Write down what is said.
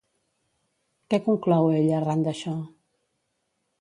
Què conclou ella arran d'això?